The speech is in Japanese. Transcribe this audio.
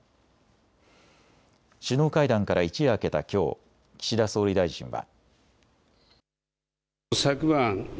首脳会談から一夜明けたきょう岸田総理大臣は。